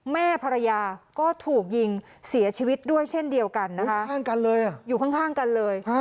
แม่ภรรยาก็ถูกยิงเสียชีวิตด้วยเช่นเดียวกันนะคะอยู่ข้างกันเลย